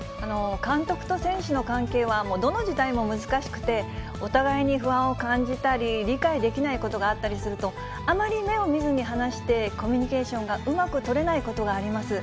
監督と選手の関係は、どの時代も難しくて、お互いに不安を感じたり、理解できないことがあったりすると、あまり目を見ずに話して、コミュニケーションがうまく取れないことがあります。